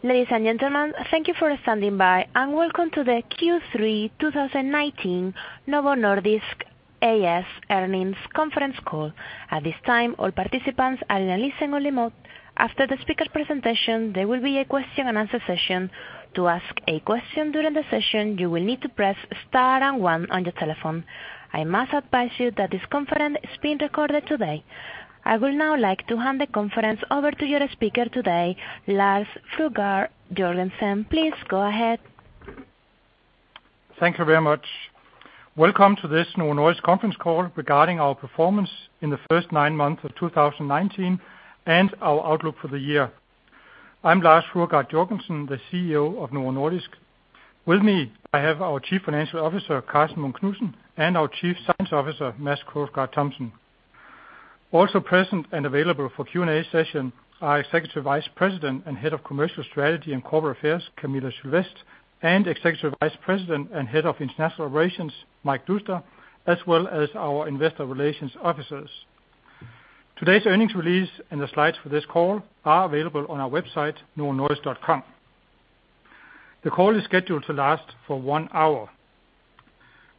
Ladies and gentlemen, thank you for standing by, and welcome to the Q3 2019 Novo Nordisk A/S earnings conference call. At this time, all participants are in listen-only mode. After the speaker presentation, there will be a question and answer session. To ask a question during the session, you will need to press star and one on your telephone. I must advise you that this conference is being recorded today. I will now like to hand the conference over to your speaker today, Lars Fruergaard Jørgensen. Please go ahead. Thank you very much. Welcome to this Novo Nordisk conference call regarding our performance in the first nine months of 2019 and our outlook for the year. I am Lars Fruergaard Jørgensen, the CEO of Novo Nordisk. With me, I have our Chief Financial Officer, Karsten Munk Knudsen, and our Chief Science Officer, Mads Krogsgaard Thomsen. Also present and available for Q&A session are Executive Vice President and Head of Commercial Strategy and Corporate Affairs, Camilla Sylvest, and Executive Vice President and Head of International Operations, Mike Doustdar, as well as our investor relations officers. Today's earnings release and the slides for this call are available on our website, novonordisk.com. The call is scheduled to last for one hour.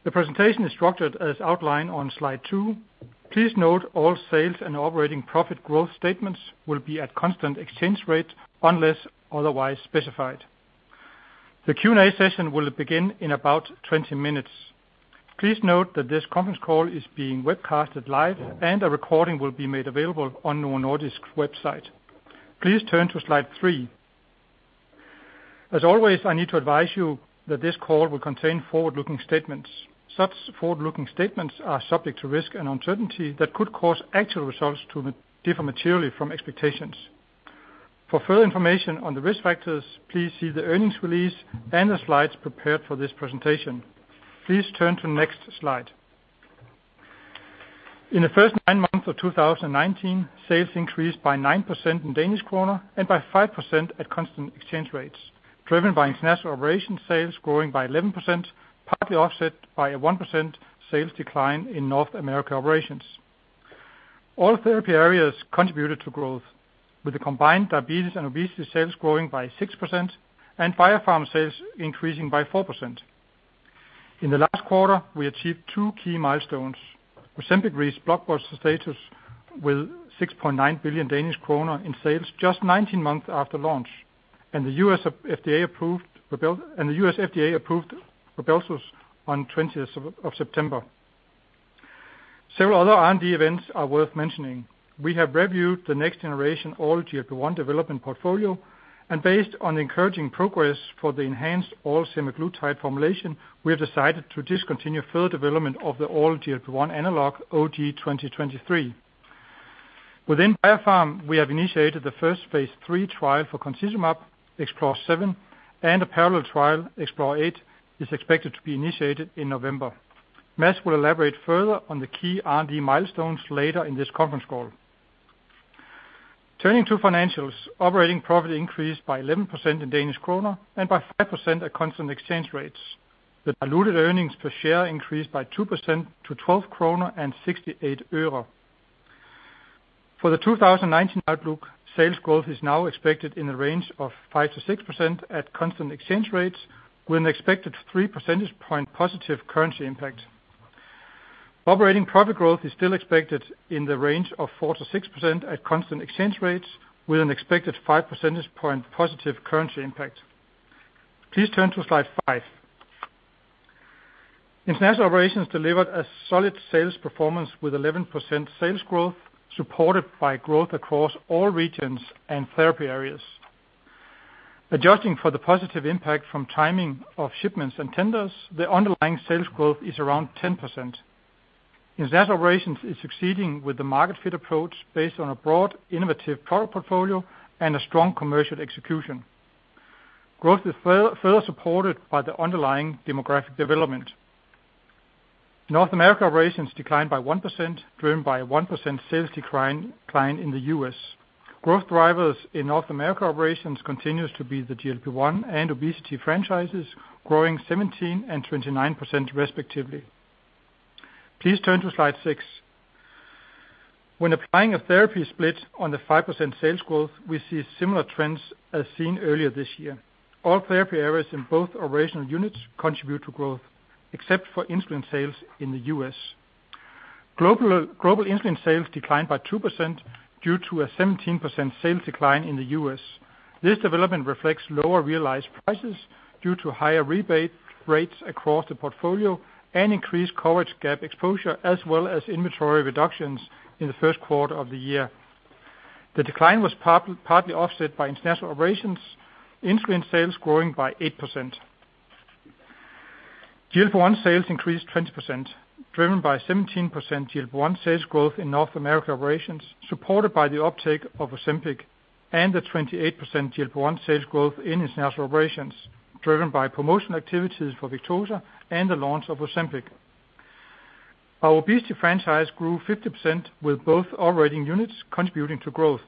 The presentation is structured as outlined on slide two. Please note all sales and operating profit growth statements will be at constant exchange rate unless otherwise specified. The Q&A session will begin in about 20 minutes. Please note that this conference call is being webcasted live, and a recording will be made available on Novo Nordisk's website. Please turn to slide three. As always, I need to advise you that this call will contain forward-looking statements. Such forward-looking statements are subject to risk and uncertainty that could cause actual results to differ materially from expectations. For further information on the risk factors, please see the earnings release and the slides prepared for this presentation. Please turn to next slide. In the first nine months of 2019, sales increased by 9% in DKK and by 5% at constant exchange rates, driven by International Operations sales growing by 11%, partly offset by a 1% sales decline in North America operations. All therapy areas contributed to growth, with the combined diabetes and obesity sales growing by 6% and biopharm sales increasing by 4%. In the last quarter, we achieved two key milestones. Ozempic reached blockbuster status with 6.9 billion Danish kroner in sales just 19 months after launch, and the U.S. FDA approved Rybelsus on 20th of September. Several other R&D events are worth mentioning. We have reviewed the next generation all GLP-1 development portfolio, and based on encouraging progress for the enhanced oral semaglutide formulation, we have decided to discontinue further development of the oral GLP-1 analog OG2023. Within biopharm, we have initiated the first phase III trial for concizumab, EXPLORER 7, and a parallel trial, EXPLORER 8, is expected to be initiated in November. Mads will elaborate further on the key R&D milestones later in this conference call. Turning to financials, operating profit increased by 11% in DKK and by 5% at constant exchange rates. The diluted earnings per share increased by 2% to DKK 12.68. For the 2019 outlook, sales growth is now expected in the range of 5%-6% at constant exchange rates, with an expected 3 percentage point positive currency impact. Operating profit growth is still expected in the range of 4%-6% at constant exchange rates, with an expected 5 percentage point positive currency impact. Please turn to slide five. International Operations delivered a solid sales performance with 11% sales growth, supported by growth across all regions and therapy areas. Adjusting for the positive impact from timing of shipments and tenders, the underlying sales growth is around 10%. International Operations is succeeding with the market fit approach based on a broad innovative product portfolio and a strong commercial execution. Growth is further supported by the underlying demographic development. North America Operations declined by 1%, driven by a 1% sales decline in the U.S. Growth drivers in North America Operations continues to be the GLP-1 and obesity franchises, growing 17% and 29% respectively. Please turn to slide six. When applying a therapy split on the 5% sales growth, we see similar trends as seen earlier this year. All therapy areas in both operational units contribute to growth, except for insulin sales in the U.S. Global insulin sales declined by 2% due to a 17% sales decline in the U.S. This development reflects lower realized prices due to higher rebate rates across the portfolio and increased coverage gap exposure, as well as inventory reductions in the first quarter of the year. The decline was partly offset by International Operations insulin sales growing by 8%. GLP-1 sales increased 20%, driven by 17% GLP-1 sales growth in North America Operations, supported by the uptake of Ozempic and a 28% GLP-1 sales growth in International Operations, driven by promotional activities for Victoza and the launch of Ozempic. Our obesity franchise grew 50% with both operating units contributing to growth,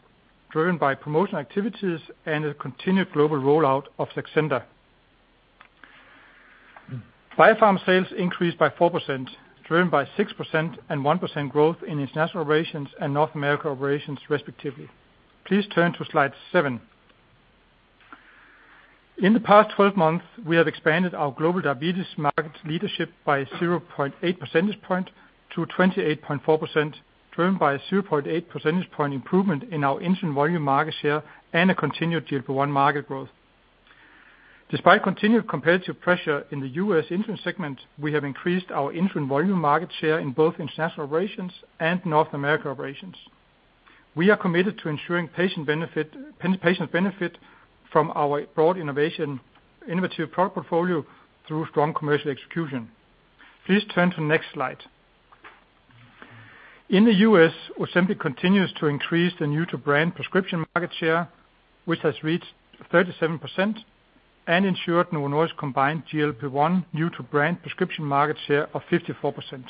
driven by promotional activities and a continued global rollout of Saxenda. Biopharm sales increased by 4%, driven by 6% and 1% growth in International Operations and North America Operations respectively. Please turn to slide seven. In the past 12 months, we have expanded our global diabetes market leadership by 0.8 percentage point to 28.4%, driven by a 0.8 percentage point improvement in our insulin volume market share and a continued GLP-1 market growth. Despite continued competitive pressure in the U.S. insulin segment, we have increased our insulin volume market share in both International Operations and North America Operations. We are committed to ensuring patients benefit from our broad innovative product portfolio through strong commercial execution. Please turn to next slide. In the U.S., Ozempic continues to increase the new-to-brand prescription market share, which has reached 37% and ensured Novo Nordisk combined GLP-1 new-to-brand prescription market share of 54%.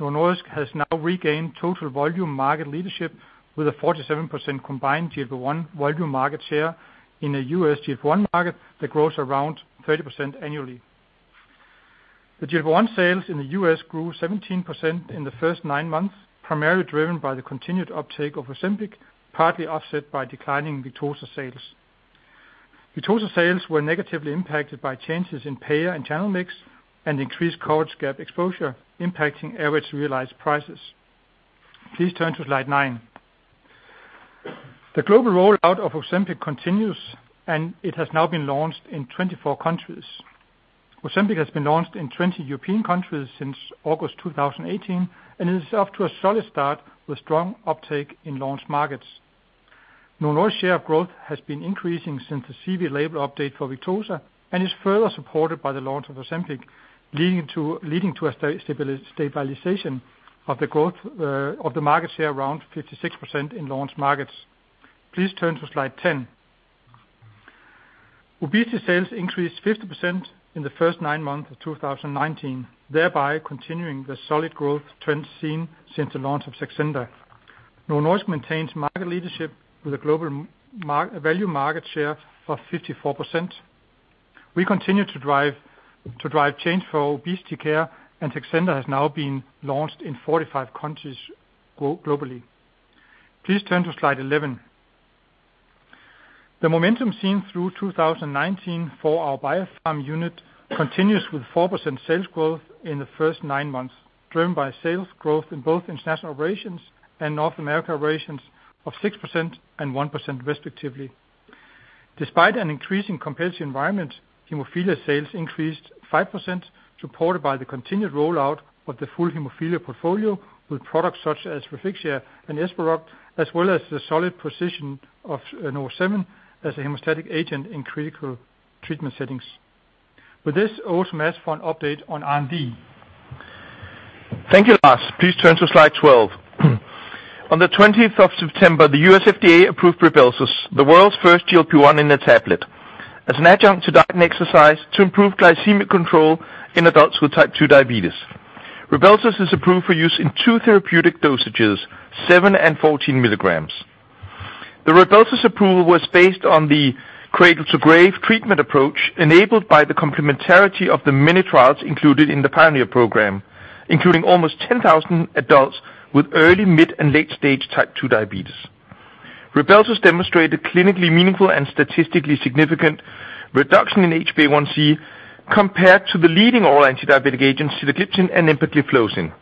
Novo Nordisk has now regained total volume market leadership with a 47% combined GLP-1 volume market share in the U.S. GLP-1 market that grows around 30% annually. The GLP-1 sales in the U.S. grew 17% in the first nine months, primarily driven by the continued uptake of Ozempic, partly offset by declining Victoza sales. Victoza sales were negatively impacted by changes in payer and channel mix and increased coverage gap exposure, impacting average realized prices. Please turn to slide 9. The global rollout of Ozempic continues. It has now been launched in 24 countries. Ozempic has been launched in 20 European countries since August 2018 and is off to a solid start with strong uptake in launch markets. Novo Nordisk share of growth has been increasing since the CV label update for Victoza and is further supported by the launch of Ozempic, leading to a stabilization of the market share around 56% in launch markets. Please turn to slide 10. Obesity sales increased 50% in the first nine months of 2019, thereby continuing the solid growth trend seen since the launch of Saxenda. Novo Nordisk maintains market leadership with a global value market share of 54%. We continue to drive change for obesity care, and Saxenda has now been launched in 45 countries globally. Please turn to slide 11. The momentum seen through 2019 for our Biopharm unit continues with 4% sales growth in the first nine months, driven by sales growth in both international operations and North America operations of 6% and 1% respectively. Despite an increasing competitive environment, hemophilia sales increased 5%, supported by the continued rollout of the full hemophilia portfolio with products such as Refixia and ESPEROCT, as well as the solid position of NovoSeven as a hemostatic agent in critical treatment settings. With this, I would ask for an update on R&D. Thank you, Lars. Please turn to slide 12. On the 20th of September, the U.S. FDA approved RYBELSUS, the world's first GLP-1 in a tablet as an adjunct to diet and exercise to improve glycemic control in adults with type 2 diabetes. RYBELSUS is approved for use in two therapeutic dosages, seven and 14 milligrams. The RYBELSUS approval was based on the cradle to grave treatment approach enabled by the complementarity of the many trials included in the PIONEER program, including almost 10,000 adults with early, mid, and late stage type 2 diabetes. RYBELSUS demonstrated clinically meaningful and statistically significant reduction in HbA1c compared to the leading oral antidiabetic agents, sitagliptin and empagliflozin.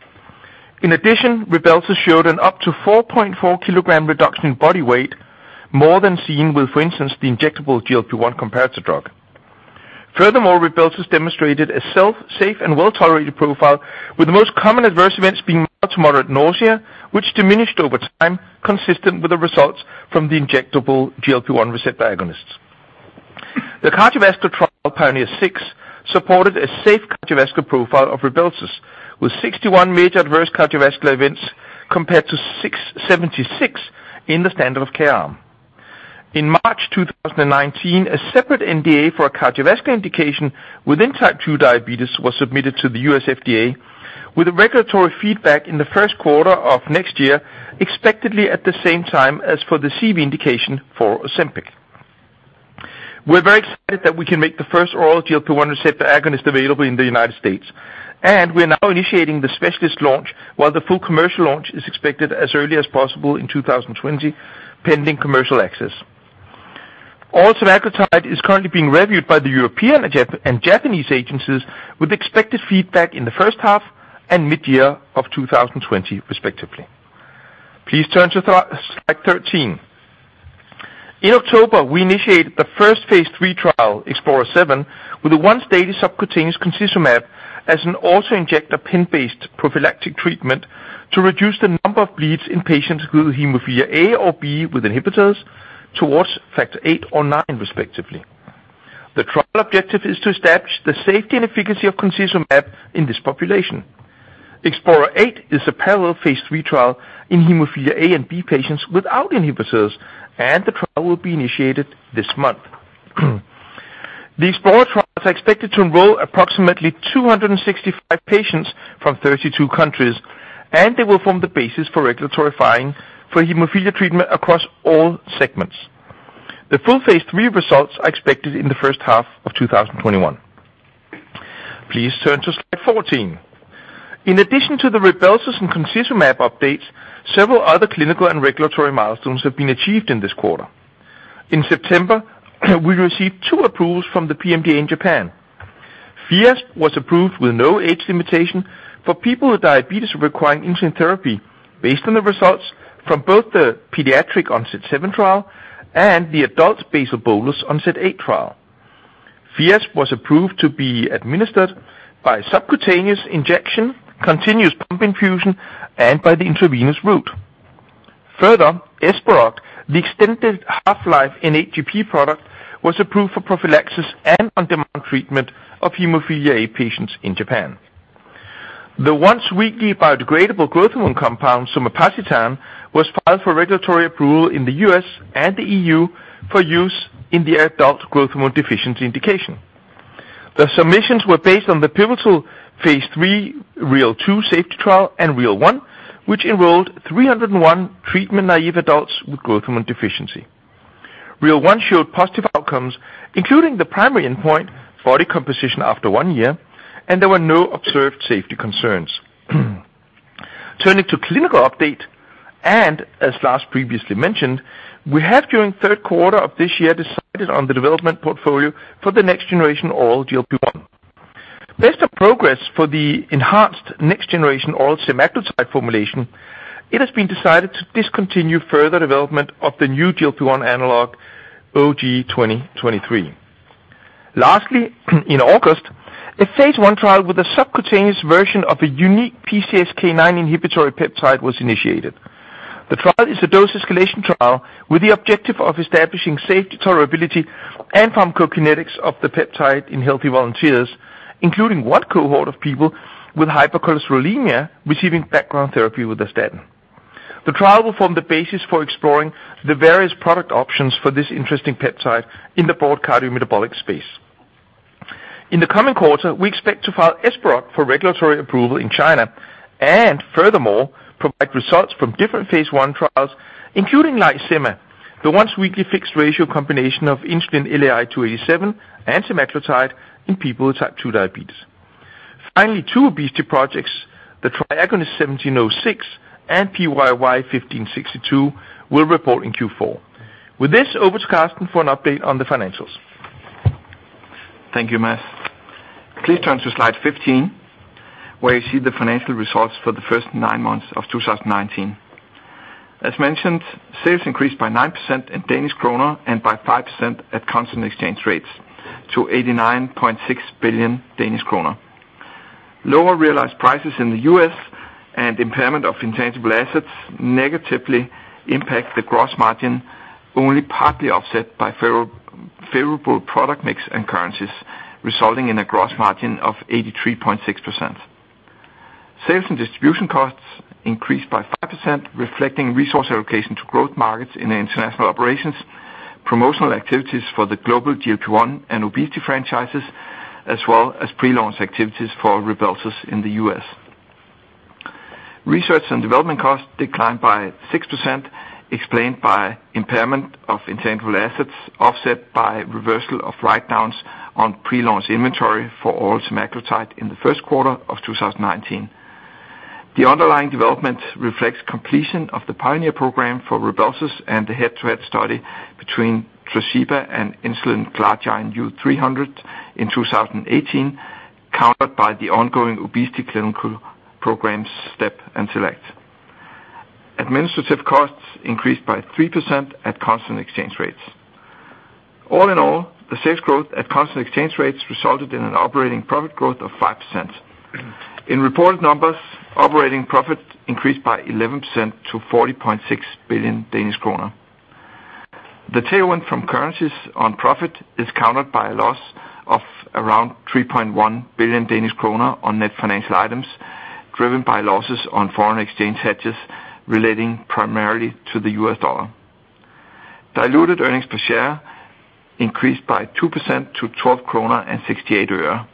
In addition, RYBELSUS showed an up to 4.4-kilogram reduction in body weight, more than seen with, for instance, the injectable GLP-1 compared to drug. Furthermore, Rybelsus demonstrated a self-safe and well-tolerated profile, with the most common adverse events being mild to moderate nausea, which diminished over time, consistent with the results from the injectable GLP-1 receptor agonists. The cardiovascular trial, PIONEER 6, supported a safe cardiovascular profile of Rybelsus with 61 major adverse cardiovascular events compared to 76 in the standard of care arm. In March 2019, a separate NDA for a cardiovascular indication within type 2 diabetes was submitted to the U.S. FDA with a regulatory feedback in the first quarter of next year, expectedly at the same time as for the CV indication for Ozempic. We're very excited that we can make the first oral GLP-1 receptor agonist available in the United States, and we are now initiating the specialist launch while the full commercial launch is expected as early as possible in 2020, pending commercial access. Oral semaglutide is currently being reviewed by the European and Japanese agencies with expected feedback in the first half and mid-year of 2020 respectively. Please turn to slide 13. In October, we initiated the first phase III trial, EXPLORER 7, with a once-daily subcutaneous concizumab as an auto-injector pen-based prophylactic treatment to reduce the number of bleeds in patients with hemophilia A or B with inhibitors towards factor 8 or 9, respectively. The trial objective is to establish the safety and efficacy of concizumab in this population. EXPLORER 8 is a parallel phase III trial in hemophilia A and B patients without inhibitors. The trial will be initiated this month. The EXPLORER trials are expected to enroll approximately 265 patients from 32 countries. They will form the basis for regulatory filing for hemophilia treatment across all segments. The full phase III results are expected in the first half of 2021. Please turn to slide 14. In addition to the RYBELSUS and concizumab updates, several other clinical and regulatory milestones have been achieved in this quarter. In September, we received two approvals from the PMDA in Japan. Fiasp was approved with no age limitation for people with diabetes requiring insulin therapy based on the results from both the pediatric onset 7 trial and the adult basal bolus onset 8 trial. Fiasp was approved to be administered by subcutaneous injection, continuous pump infusion, and by the intravenous route. Further, ESPEROCT, the extended half-life in AGP product, was approved for prophylaxis and on-demand treatment of hemophilia A patients in Japan. The once-weekly biodegradable growth hormone compound, somapacitan, was filed for regulatory approval in the U.S. and the EU for use in the adult growth hormone deficiency indication. The submissions were based on the pivotal phase III REAL 2 safety trial and REAL 1, which enrolled 301 treatment-naive adults with growth hormone deficiency. REAL 1 showed positive outcomes, including the primary endpoint, body composition after one year, and there were no observed safety concerns. Turning to clinical update, as Lars previously mentioned, we have during third quarter of this year decided on the development portfolio for the next generation oral GLP-1. Based on progress for the enhanced next generation oral semaglutide formulation, it has been decided to discontinue further development of the new GLP-1 analog OG2023. Lastly, in August, a phase I trial with a subcutaneous version of a unique PCSK9 inhibitory peptide was initiated. The trial is a dose escalation trial with the objective of establishing safety, tolerability, and pharmacokinetics of the peptide in healthy volunteers, including one cohort of people with hypercholesterolemia receiving background therapy with a statin. The trial will form the basis for exploring the various product options for this interesting peptide in the broad cardiometabolic space. In the coming quarter, we expect to file ESPEROCT for regulatory approval in China and furthermore, provide results from different phase I trials, including IcoSema, the once-weekly fixed ratio combination of insulin icodec and semaglutide in people with type 2 diabetes. Finally, two obesity projects, the NN1706 and PYY1875 will report in Q4. With this, over to Karsten for an update on the financials. Thank you, Mads. Please turn to slide 15, where you see the financial results for the first nine months of 2019. As mentioned, sales increased by 9% in DKK and by 5% at constant exchange rates to 89.6 billion Danish kroner. Lower realized prices in the U.S. and impairment of intangible assets negatively impact the gross margin, only partly offset by favorable product mix and currencies, resulting in a gross margin of 83.6%. Sales and distribution costs increased by 5%, reflecting resource allocation to growth markets in International Operations, promotional activities for the global GLP-1 and obesity franchises, as well as pre-launch activities for RYBELSUS in the U.S. Research and development costs declined by 6%, explained by impairment of intangible assets, offset by reversal of write-downs on pre-launch inventory for oral semaglutide in the first quarter of 2019. The underlying development reflects completion of the PIONEER program for RYBELSUS and the head-to-head study between Tresiba and insulin glargine U-300 in 2018, countered by the ongoing obesity clinical programs STEP and SELECT. Administrative costs increased by 3% at constant exchange rates. All in all, the sales growth at constant exchange rates resulted in an operating profit growth of 5%. In reported numbers, operating profit increased by 11% to 40.6 billion Danish kroner. The tailwind from currencies on profit is countered by a loss of around 3.1 billion Danish kroner on net financial items, driven by losses on foreign exchange hedges relating primarily to the U.S. dollar. Diluted earnings per share increased by 2% to DKK 12.68.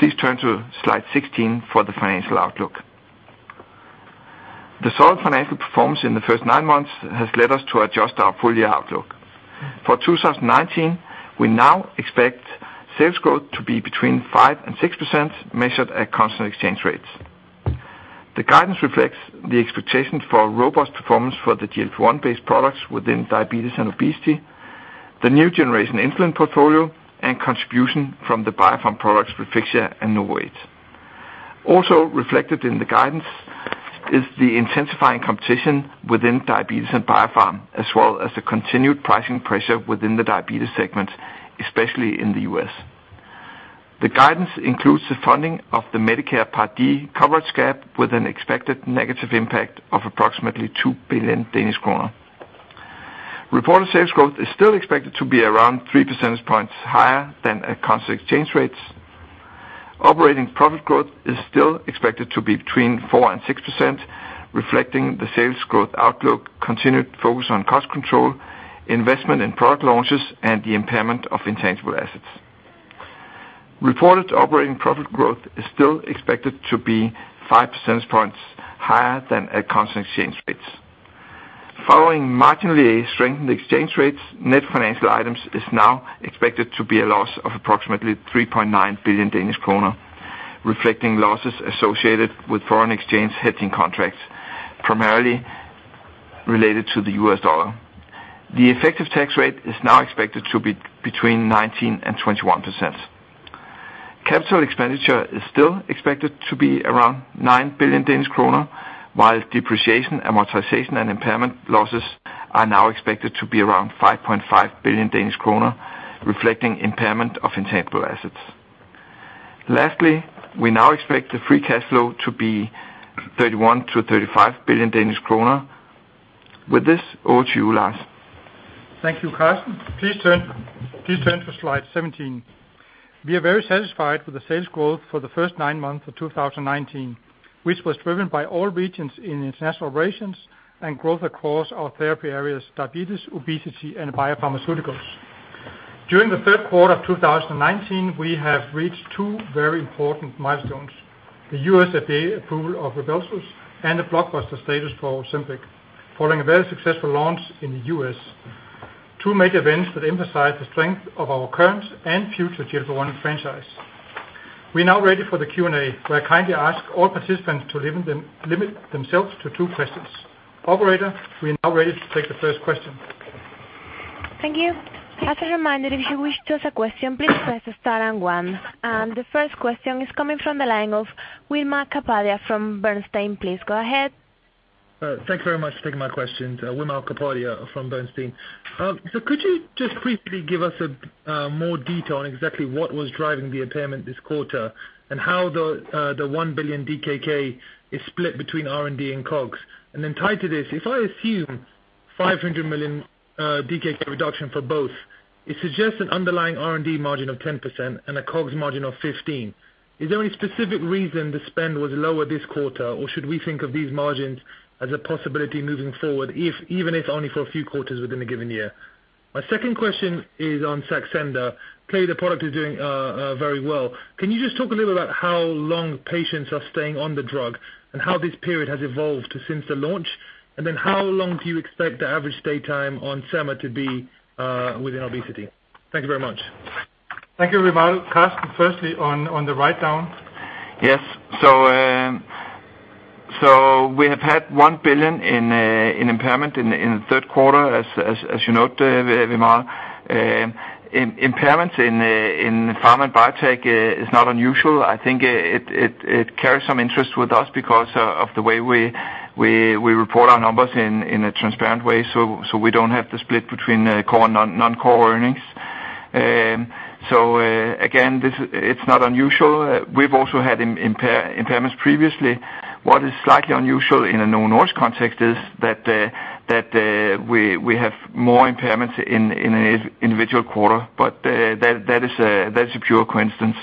Please turn to slide 16 for the financial outlook. The solid financial performance in the first nine months has led us to adjust our full-year outlook. For 2019, we now expect sales growth to be between 5% and 6%, measured at constant exchange rates. The guidance reflects the expectation for robust performance for the GLP-1 based products within diabetes and obesity, the new generation insulin portfolio, and contribution from the Biopharm products Refixia and NovoEight. Reflected in the guidance is the intensifying competition within diabetes and Biopharm, as well as the continued pricing pressure within the diabetes segment, especially in the U.S. The guidance includes the funding of the Medicare Part D coverage gap with an expected negative impact of approximately 2 billion Danish kroner. Reported sales growth is still expected to be around three percentage points higher than at constant exchange rates. Operating profit growth is still expected to be between 4% and 6%, reflecting the sales growth outlook, continued focus on cost control, investment in product launches, and the impairment of intangible assets. Reported operating profit growth is still expected to be five percentage points higher than at constant exchange rates. Following marginally strengthened exchange rates, net financial items is now expected to be a loss of approximately 3.9 billion Danish kroner, reflecting losses associated with foreign exchange hedging contracts, primarily related to the US dollar. The effective tax rate is now expected to be between 19% and 21%. Capital expenditure is still expected to be around 9 billion Danish kroner, while depreciation, amortization, and impairment losses are now expected to be around 5.5 billion Danish kroner, reflecting impairment of intangible assets. Lastly, we now expect the free cash flow to be 31 billion-35 billion Danish kroner. With this, over to you, Lars. Thank you, Karsten. Please turn to slide 17. We are very satisfied with the sales growth for the first nine months of 2019, which was driven by all regions in International Operations and growth across our therapy areas, diabetes, obesity, and biopharmaceuticals. During the third quarter of 2019, we have reached two very important milestones, the U.S. FDA approval of RYBELSUS and the blockbuster status for OZEMPIC, following a very successful launch in the U.S. Two major events that emphasize the strength of our current and future GLP-1 franchise. We're now ready for the Q&A, where I kindly ask all participants to limit themselves to two questions. Operator, we are now ready to take the first question. Thank you. As a reminder, if you wish to ask a question, please press star and one. The first question is coming from the line of Wimal Kapadia from Bernstein. Please go ahead. Thanks very much for taking my questions. Wimal Kapadia from Bernstein. Could you just briefly give us more detail on exactly what was driving the impairment this quarter and how the 1 billion DKK is split between R&D and COGS? Tied to this, if I assume 500 million DKK reduction for both, it suggests an underlying R&D margin of 10% and a COGS margin of 15%. Is there any specific reason the spend was lower this quarter, or should we think of these margins as a possibility moving forward, even if only for a few quarters within a given year? My second question is on Saxenda. Clearly the product is doing very well. Can you just talk a little about how long patients are staying on the drug and how this period has evolved since the launch? How long do you expect the average stay time on Sema to be within obesity? Thank you very much. Thank you, Wimal.Karsten, firstly on the write-down. Yes. We have had 1 billion in impairment in the third quarter, as you note, Wimal. Impairment in pharma and biotech is not unusual. I think it carries some interest with us because of the way we report our numbers in a transparent way, so we don't have the split between core and non-core earnings. Again, it's not unusual. We've also had impairments previously. What is slightly unusual in a Novo Nordisk context is that we have more impairments in an individual quarter. That's a pure coincidence.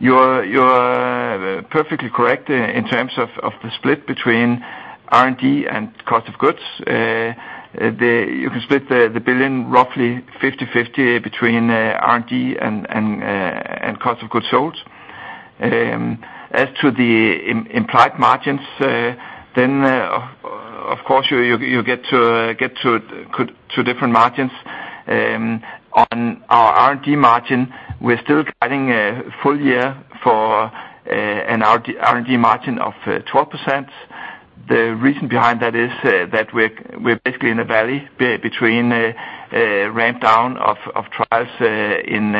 You're perfectly correct in terms of the split between R&D and cost of goods. You can split the 1 billion roughly 50/50 between R&D and cost of goods sold. As to the implied margins, of course, you get to two different margins. On our R&D margin, we're still guiding a full year for an R&D margin of 12%. The reason behind that is that we're basically in a valley between ramp down of trials in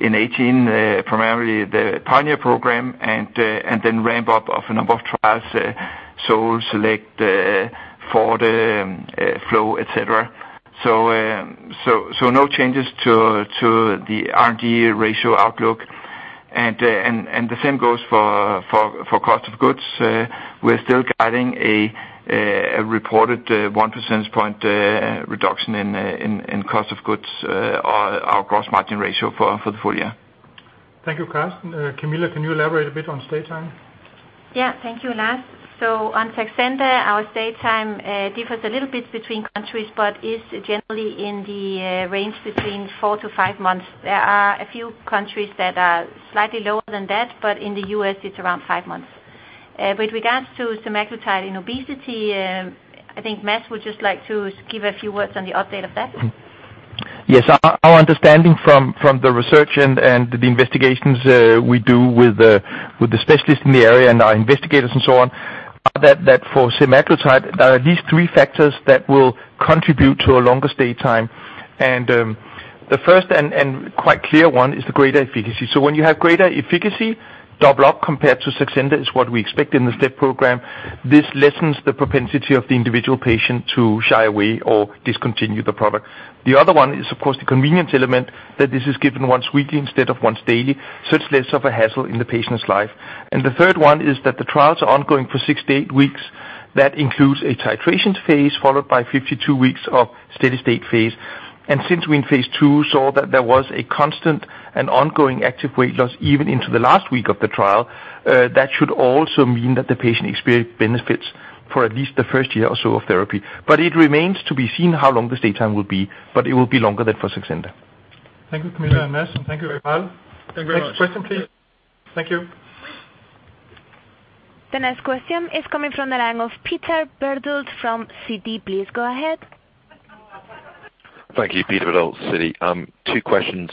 2018, primarily the PIONEER program, and then ramp up of a number of trials, SOUL, SELECT, FORWARD, FLOW, et cetera. No changes to the R&D ratio outlook. The same goes for cost of goods. We're still guiding a reported one percentage point reduction in cost of goods, our gross margin ratio for the full year. Thank you, Karsten. Camilla, can you elaborate a bit on stay time? Yeah. Thank you, Lars. On Saxenda, our stay time differs a little bit between countries, but is generally in the range between four to five months. There are a few countries that are slightly lower than that, but in the U.S. it's around five months. With regards to semaglutide in obesity, I think Mads would just like to give a few words on the update of that. Yes. Our understanding from the research and the investigations we do with the specialists in the area and our investigators and so on, are that for semaglutide, there are at least three factors that will contribute to a longer stay time. The first and quite clear one is the greater efficacy. When you have greater efficacy, double up compared to Saxenda is what we expect in the STEP program. This lessens the propensity of the individual patient to shy away or discontinue the product. The other one is, of course, the convenience element that this is given once weekly instead of once daily, so it's less of a hassle in the patient's life. The third one is that the trials are ongoing for 68 weeks. That includes a titration phase, followed by 52 weeks of steady state phase. Since we in phase II saw that there was a constant and ongoing active weight loss even into the last week of the trial, that should also mean that the patient experience benefits for at least the first year or so of therapy. It remains to be seen how long the stay time will be, but it will be longer than for Saxenda. Thank you, Camilla and Mads, and thank you, Wimal. Thank you very much. Next question, please. Thank you. The next question is coming from the line of Peter Verdult from Citi. Please go ahead. Thank you, Peter Verdult, Citi. Two questions,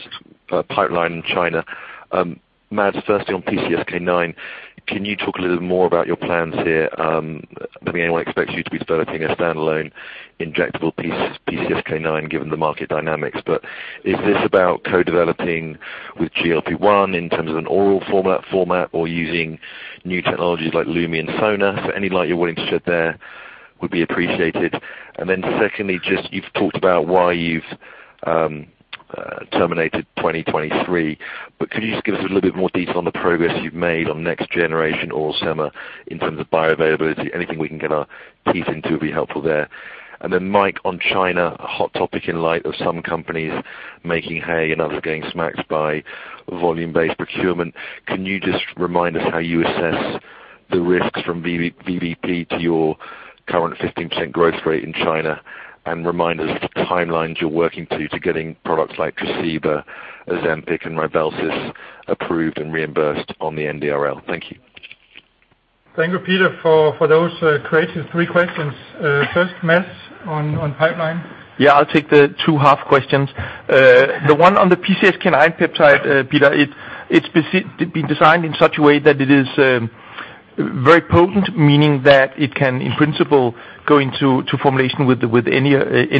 pipeline China. Mads, firstly on PCSK9, can you talk a little bit more about your plans here? I mean, anyone expects you to be developing a standalone injectable PCSK9 given the market dynamics. Is this about co-developing with GLP-1 in terms of an oral format or using new technologies like Lumi and Sona? Any light you're willing to shed there would be appreciated. Secondly, you've talked about why you've terminated 2023, could you just give us a little bit more detail on the progress you've made on next generation or sema in terms of bioavailability? Anything we can get our teeth into would be helpful there. Mike, on China, a hot topic in light of some companies making hay and others are getting smacked by volume-based procurement. Can you just remind us how you assess the risks from VBP to your current 15% growth rate in China and remind us of the timelines you're working to getting products like Tresiba, Ozempic, and Rybelsus approved and reimbursed on the NRDL? Thank you. Thank you, Peter, for those creative three questions. First, Mads on pipeline. Yeah, I'll take the two half questions. The one on the PCSK9 peptide, Peter, it's been designed in such a way that it is very potent, meaning that it can in principle go into formulation with any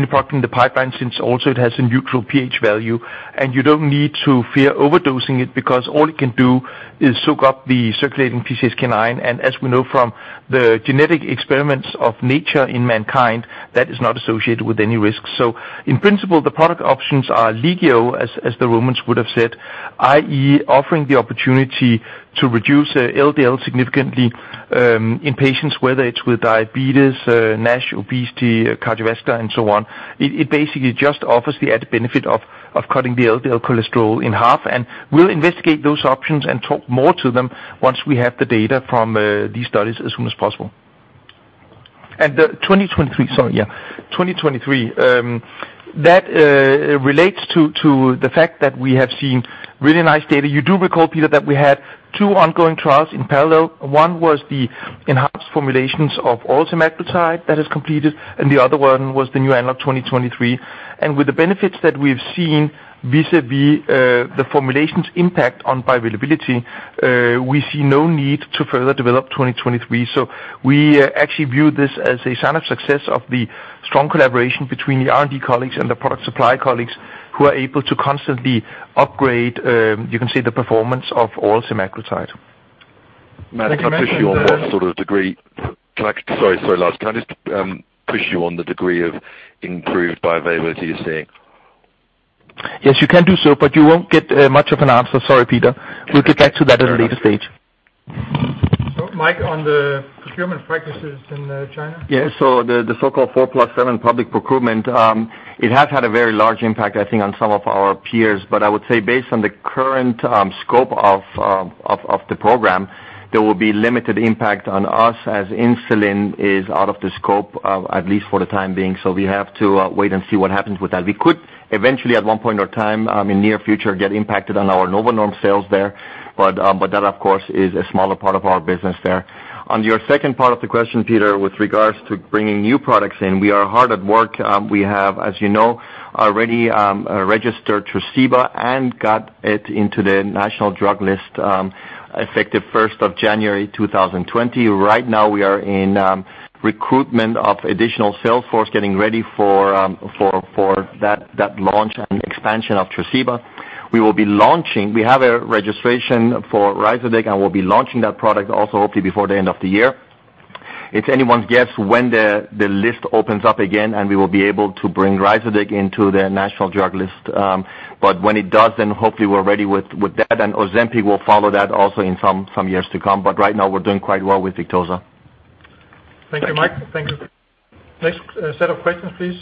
product in the pipeline, since also it has a neutral pH value, and you don't need to fear overdosing it, because all it can do is soak up the circulating PCSK9. As we know from the genetic experiments of nature in mankind, that is not associated with any risks. In principle, the product options are legio, as the Romans would have said, i.e., offering the opportunity to reduce LDL significantly, in patients, whether it's with diabetes, NASH, obesity, cardiovascular, and so on. It basically just offers the added benefit of cutting the LDL cholesterol in half. We'll investigate those options and talk more to them once we have the data from these studies as soon as possible. The OG2023. Sorry, yeah. OG2023, that relates to the fact that we have seen really nice data. You do recall, Peter, that we had two ongoing trials in parallel. One was the enhanced formulations of oral semaglutide that is completed, and the other one was the new analog OG2023. With the benefits that we've seen vis-a-vis the formulation's impact on bioavailability, we see no need to further develop OG2023. We actually view this as a sign of success of the strong collaboration between the R&D colleagues and the product supply colleagues who are able to constantly upgrade, you can say, the performance of oral semaglutide. Thank you, Mads. Sorry, Lars, can I just push you on the degree of improved bioavailability you're seeing? Yes, you can do so, but you won't get much of an answer. Sorry, Peter. We'll get back to that at a later stage. Mike, on the procurement practices in China? The so-called 4+7 public procurement, it has had a very large impact, I think on some of our peers. I would say based on the current scope of the program, there will be limited impact on us as insulin is out of the scope, at least for the time being. We have to wait and see what happens with that. We could eventually, at one point or time, in near future, get impacted on our Novo Nordisk sales there, but that of course is a smaller part of our business there. On your second part of the question, Peter, with regards to bringing new products in, we are hard at work. We have, as you know, already registered Tresiba and got it into the National Drug List, effective 1st of January 2020. Right now, we are in recruitment of additional sales force getting ready for that launch and expansion of Tresiba. We have a registration for Ryzodeg. We'll be launching that product also hopefully before the end of the year. It's anyone's guess when the list opens up again. We will be able to bring Ryzodeg into the National Drug List. When it does, then hopefully we're ready with that. Ozempic will follow that also in some years to come. Right now, we're doing quite well with Victoza. Thank you, Mike. Thank you. Next set of questions, please.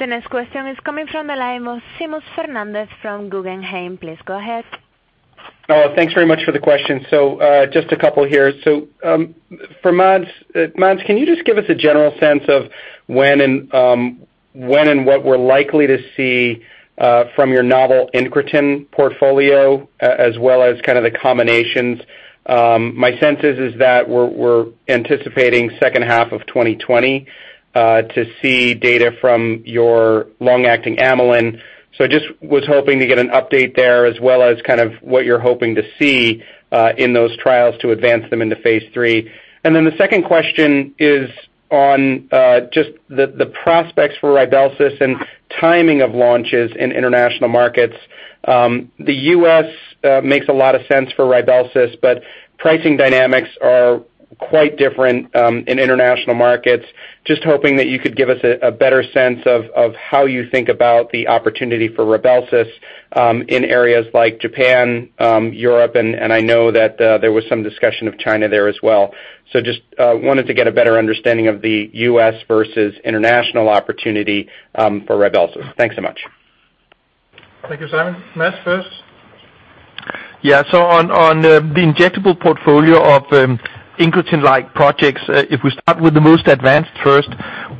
The next question is coming from the line of Seamus Fernandez from Guggenheim. Please go ahead. Thanks very much for the question. Just a couple here. For Mads. Mads, can you just give us a general sense of when and what we're likely to see from your novel incretin portfolio as well as kind of the combinations? My sense is that we're anticipating second half of 2020 to see data from your long-acting amylin. I just was hoping to get an update there as well as what you're hoping to see in those trials to advance them into phase III. Then the second question is on just the prospects for RYBELSUS and timing of launches in international markets. U.S. makes a lot of sense for RYBELSUS, but pricing dynamics are quite different in international markets. Just hoping that you could give us a better sense of how you think about the opportunity for Rybelsus in areas like Japan, Europe, and I know that there was some discussion of China there as well. Just wanted to get a better understanding of the U.S. versus international opportunity for Rybelsus. Thanks so much. Thank you, Seamus. Mads first. Yeah. On the injectable portfolio of incretin-like projects, if we start with the most advanced first,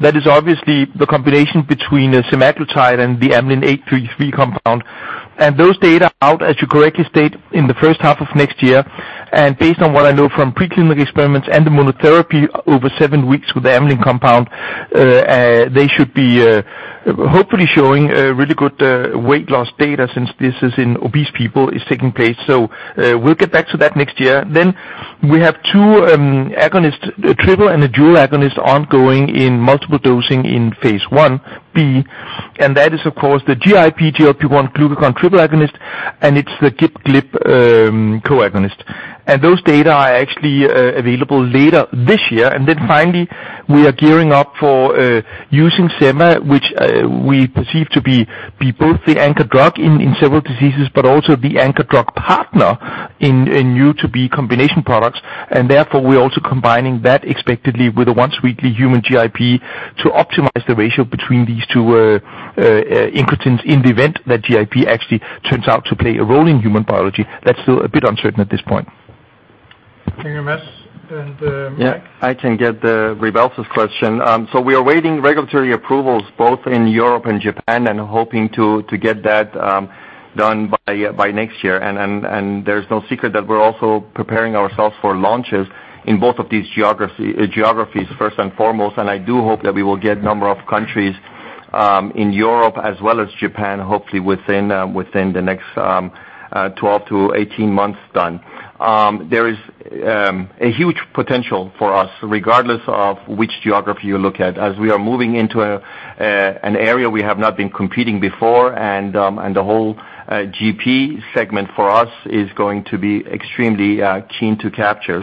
that is obviously the combination between semaglutide and the AM833 compound. Those data out, as you correctly state, in the first half of next year. Based on what I know from preclinical experiments and the monotherapy over seven weeks with the amylin compound, they should be hopefully showing really good weight loss data since this is in obese people, it's taking place. We'll get back to that next year. We have two agonists, a triple and a dual agonist, ongoing in multiple dosing in phase I-B. That is, of course, the GIP, GLP-1 glucagon triple agonist, and it's the GIP/GLP-1 co-agonist. Those data are actually available later this year. Finally, we are gearing up for using semaglutide, which we perceive to be both the anchor drug in several diseases, but also the anchor drug partner in new to be combination products. Therefore, we're also combining that expectedly with a once weekly human GIP to optimize the ratio between these two incretins in the event that GIP actually turns out to play a role in human biology. That's still a bit uncertain at this point. Thank you, Mads. Mike? Yeah. I can get the RYBELSUS question. We are awaiting regulatory approvals both in Europe and Japan, and hoping to get that done by next year. There's no secret that we're also preparing ourselves for launches in both of these geographies first and foremost, and I do hope that we will get number of countries in Europe as well as Japan, hopefully within the next 12-18 months done. There is a huge potential for us regardless of which geography you look at, as we are moving into an area we have not been competing before, and the whole GLP-1 segment for us is going to be extremely keen to capture.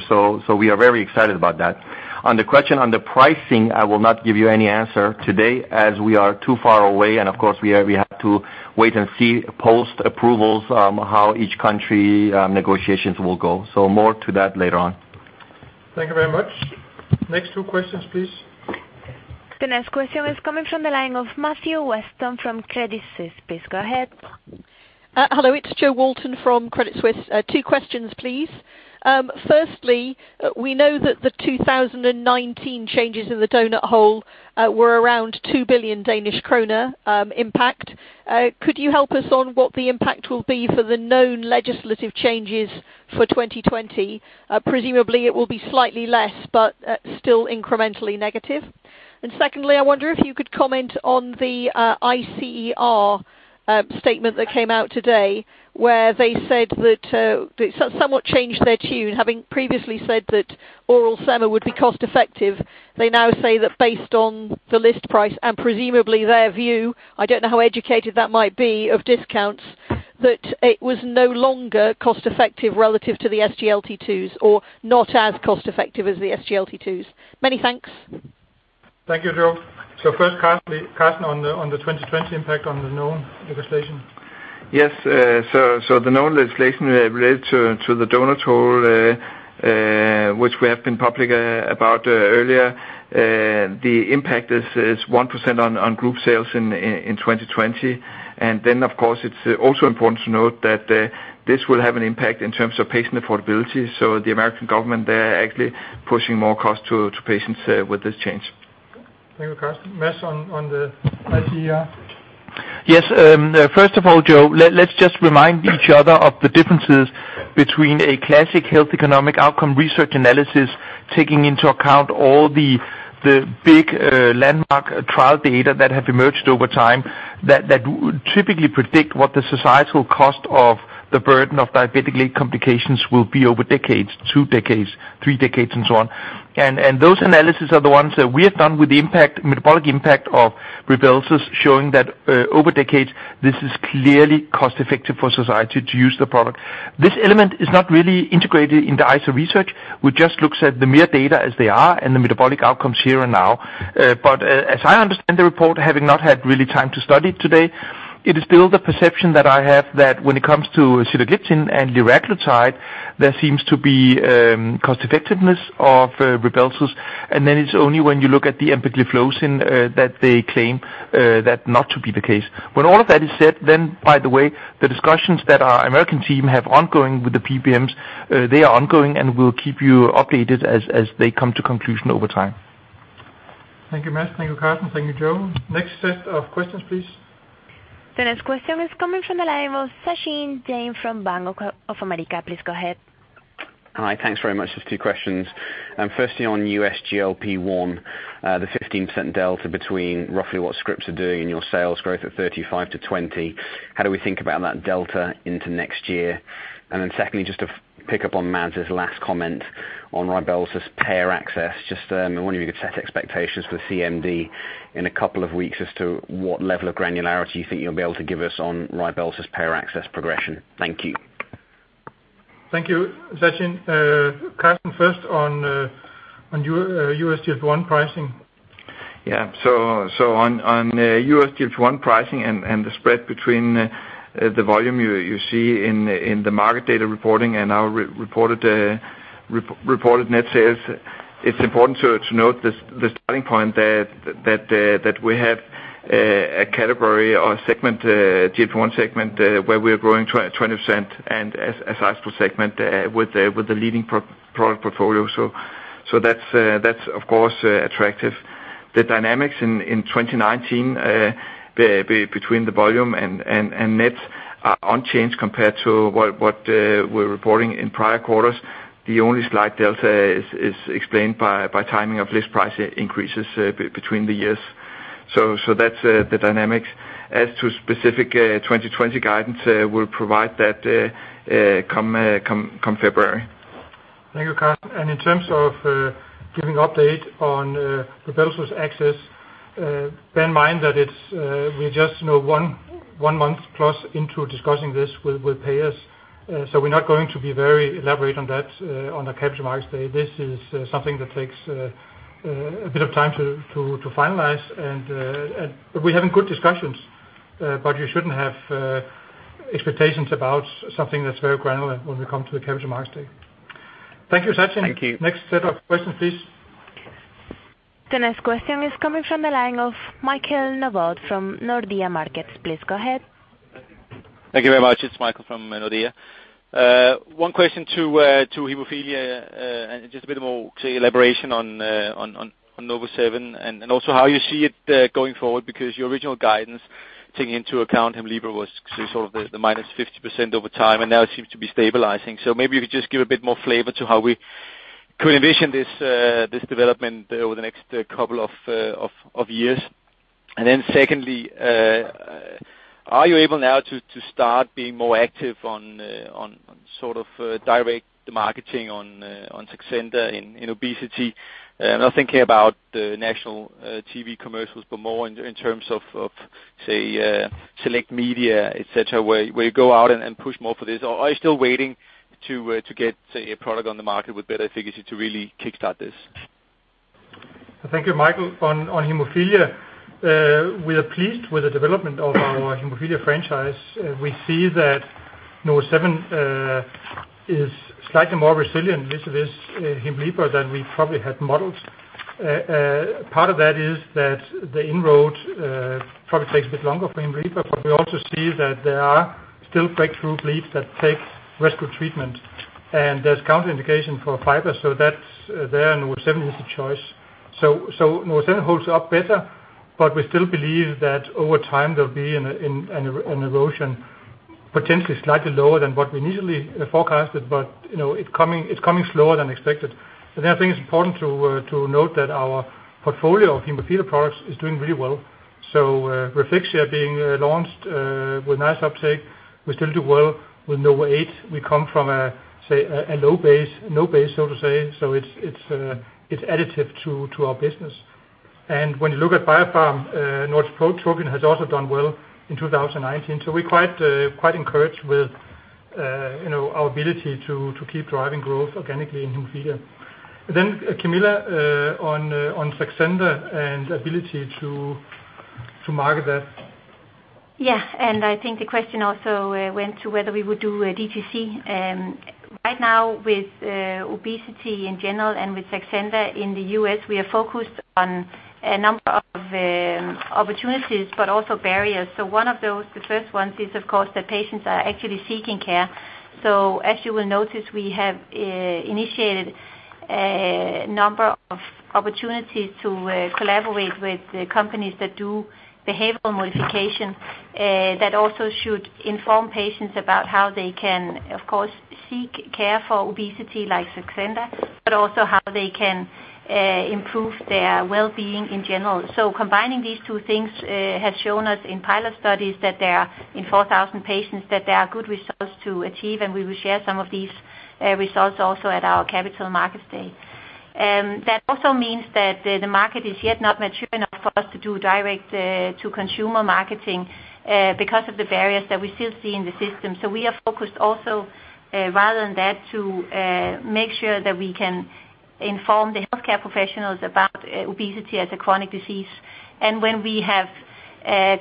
We are very excited about that. On the question on the pricing, I will not give you any answer today as we are too far away, and of course, we have to wait and see post-approvals how each country negotiations will go. More to that later on. Thank you very much. Next two questions, please. The next question is coming from the line of Matthew Weston from Credit Suisse. Please go ahead. Hello, it's Jo Walton from Credit Suisse. Two questions, please. Firstly, we know that the 2019 changes in the donut hole were around 2 billion Danish kroner impact. Could you help us on what the impact will be for the known legislative changes for 2020? Presumably, it will be slightly less, but still incrementally negative. Secondly, I wonder if you could comment on the ICER statement that came out today where they said that they somewhat changed their tune, having previously said that oral sema would be cost-effective. They now say that based on the list price and presumably their view, I don't know how educated that might be of discounts, that it was no longer cost-effective relative to the SGLT2s or not as cost-effective as the SGLT2s. Many thanks. Thank you, Jo. First, Karsten on the 2020 impact on the known legislation. Yes. The known legislation related to the donut hole, which we have been public about earlier, the impact is 1% on group sales in 2020. Of course, it's also important to note that this will have an impact in terms of patient affordability, so the American government, they're actually pushing more cost to patients with this change. Thank you, Karsten. Mads on the ICER. Yes. First of all, Jo, let's just remind each other of the differences between a classic health economic outcome research analysis, taking into account all the big landmark trial data that have emerged over time that would typically predict what the societal cost of the burden of diabetic leg complications will be over decades, two decades, three decades, and so on. Those analysis are the ones that we have done with the metabolic impact of Rybelsus showing that over decades, this is clearly cost-effective for society to use the product. This element is not really integrated into ICER research, which just looks at the mere data as they are and the metabolic outcomes here and now. As I understand the report, having not had really time to study it today, it is still the perception that I have that when it comes to sitagliptin and liraglutide, there seems to be cost-effectiveness of Rybelsus, and then it's only when you look at the empagliflozin that they claim that not to be the case. When all of that is said, then by the way, the discussions that our American team have ongoing with the PBMs, they are ongoing, and we'll keep you updated as they come to conclusion over time. Thank you, Mads. Thank you, Karsten. Thank you, Jo. Next set of questions, please. The next question is coming from the line of Sachin Jain from Bank of America. Please go ahead. Hi. Thanks very much. Just two questions. Firstly on U.S. GLP-1, the 15% delta between roughly what scripts are doing and your sales growth at 35%-20%. How do we think about that delta into next year? Secondly, just to pick up on Mads's last comment on RYBELSUS payer access, just wondering if you could set expectations for the CMD in a couple of weeks as to what level of granularity you think you'll be able to give us on RYBELSUS payer access progression. Thank you. Thank you, Sachin. Karsten first on U.S. GLP-1 pricing. Yeah. On U.S. GLP-1 pricing and the spread between the volume you see in the market data reporting and our reported net sales, it's important to note the starting point that we have a category or segment, GLP-1 segment, where we are growing 20% and a sizable segment with the leading product portfolio. That's of course attractive. The dynamics in 2019 between the volume and net are unchanged compared to what we're reporting in prior quarters. The only slight delta is explained by timing of list price increases between the years. That's the dynamics. As to specific 2020 guidance, we'll provide that come February. Thank you, Karsten. In terms of giving update on RYBELSUS access, bear in mind that we're just one month plus into discussing this with payers. We're not going to be very elaborate on that on a Capital Markets Day. This is something that takes a bit of time to finalize, but we're having good discussions. You shouldn't have expectations about something that's very granular when we come to the Capital Markets Day. Thank you, Sachin. Thank you. Next set of questions, please. The next question is coming from the line of Michael Novod from Nordea Markets. Please go ahead. Thank you very much. It's Michael from Nordea. One question to hemophilia, just a bit more elaboration on NovoSeven and also how you see it going forward, because your original guidance, taking into account Hemlibra was sort of the minus 50% over time, and now it seems to be stabilizing. Maybe if you could just give a bit more flavor to how we could envision this development over the next couple of years. Then secondly, are you able now to start being more active on sort of direct marketing on Saxenda in obesity? Not thinking about the national TV commercials, but more in terms of, say, select media, et cetera, where you go out and push more for this, or are you still waiting to get, say, a product on the market with better efficacy to really kickstart this? Thank you, Michael. On hemophilia, we are pleased with the development of our hemophilia franchise. We see that NovoSeven is slightly more resilient vis-a-vis Hemlibra than we probably had modeled. Part of that is that the inroad probably takes a bit longer for Hemlibra, but we also see that there are still breakthrough bleeds that take rescue treatment, and there's counterindication for fiber, so that's there, and NovoSeven is the choice. NovoSeven holds up better, but we still believe that over time there'll be an erosion, potentially slightly lower than what we initially forecasted, but it's coming slower than expected. I think it's important to note that our portfolio of hemophilia products is doing really well. Refixia being launched with nice uptake. We still do well with NovoEight. We come from a low base, so to say. It's additive to our business. When you look at Biopharm, Norditropin has also done well in 2019. We're quite encouraged with our ability to keep driving growth organically in hemophilia. Camilla on Saxenda and ability to market that. Yes. I think the question also went to whether we would do a D2C. Right now with obesity in general and with Saxenda in the U.S., we are focused on a number of opportunities but also barriers. One of those, the first ones is, of course, that patients are actually seeking care. As you will notice, we have initiated a number of opportunities to collaborate with companies that do behavioral modification that also should inform patients about how they can, of course, seek care for obesity like Saxenda, but also how they can improve their well-being in general. Combining these two things has shown us in pilot studies that there are, in 4,000 patients, that there are good results to achieve, and we will share some of these results also at our Capital Markets Day. That also means that the market is yet not mature enough for us to do direct-to-consumer marketing because of the barriers that we still see in the system. We are focused also, rather than that, to make sure that we can inform the healthcare professionals about obesity as a chronic disease. When we have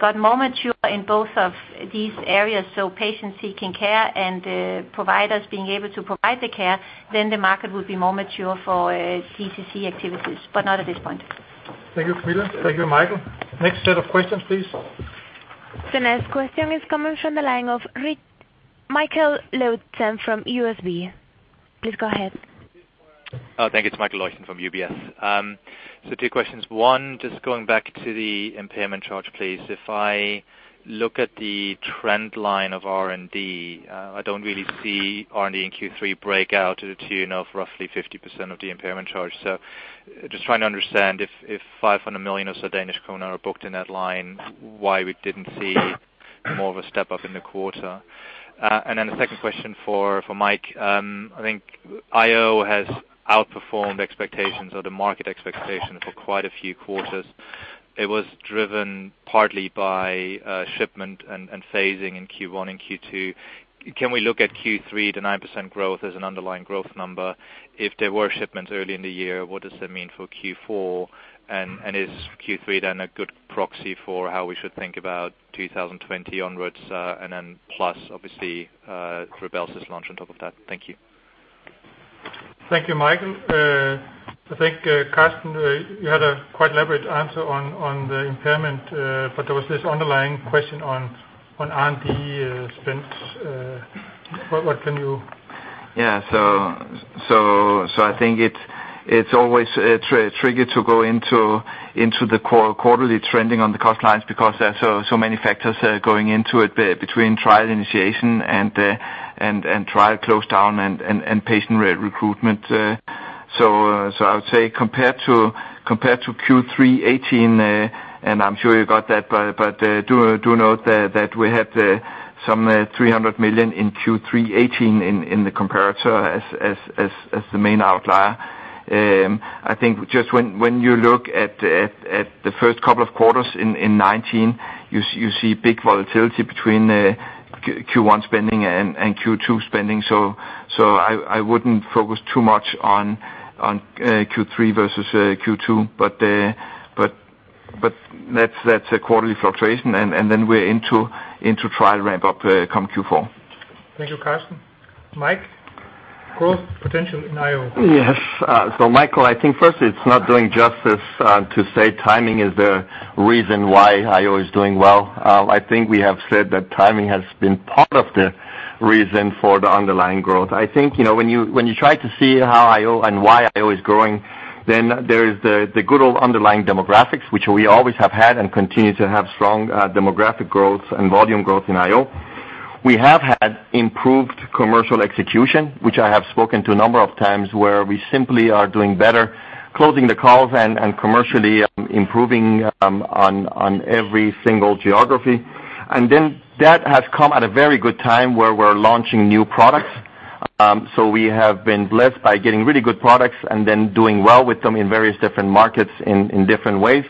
got more mature in both of these areas, so patients seeking care and providers being able to provide the care, then the market will be more mature for D2C activities, but not at this point. Thank you, Camilla. Thank you, Michael. Next set of questions, please. The next question is coming from the line of Michael Leuchten from UBS. Please go ahead. Thank you. It's Michael Leuchten from UBS. Two questions. One, just going back to the impairment charge, please. If I look at the trend line of R&D, I don't really see R&D in Q3 break out to the tune of roughly 50% of the impairment charge. Just trying to understand if 500 million are booked in that line, why we didn't see more of a step up in the quarter. The second question for Mike, I think IO has outperformed expectations or the market expectation for quite a few quarters. It was driven partly by shipment and phasing in Q1 and Q2. Can we look at Q3, the 9% growth as an underlying growth number? If there were shipments early in the year, what does that mean for Q4? Is Q3 then a good proxy for how we should think about 2020 onwards, and then plus obviously RYBELSUS launch on top of that? Thank you. Thank you, Michael. I think, Karsten, you had a quite elaborate answer on the impairment, but there was this underlying question on R&D spends. What can you Yeah. I think it's always tricky to go into the quarterly trending on the cost lines because there are so many factors going into it between trial initiation and trial close down and patient recruitment. I would say compared to Q3 2018, and I'm sure you got that, do note that we had some 300 million in Q3 2018 in the comparator as the main outlier. I think just when you look at the first couple of quarters in 2019, you see big volatility between Q1 spending and Q2 spending. I wouldn't focus too much on Q3 versus Q2, that's a quarterly fluctuation, and then we're into trial ramp-up come Q4. Thank you, Karsten. Mike, growth potential in IO. Yes. Michael, I think first it's not doing justice to say timing is the reason why IO is doing well. I think we have said that timing has been part of the reason for the underlying growth. I think when you try to see how IO and why IO is growing, there is the good old underlying demographics, which we always have had and continue to have strong demographic growth and volume growth in IO. We have had improved commercial execution, which I have spoken to a number of times, where we simply are doing better closing the calls and commercially improving on every single geography. That has come at a very good time where we're launching new products. We have been blessed by getting really good products and doing well with them in various different markets in different ways.